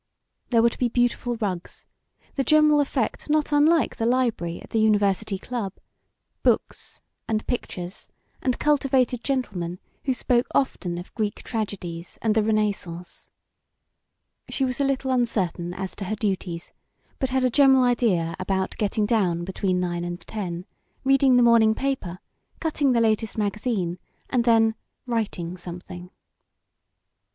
There were to be beautiful rugs the general effect not unlike the library at the University Club books and pictures and cultivated gentlemen who spoke often of Greek tragedies and the Renaissance. She was a little uncertain as to her duties, but had a general idea about getting down between nine and ten, reading the morning paper, cutting the latest magazine, and then "writing something."